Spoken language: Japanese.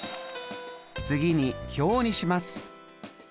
次に表にします。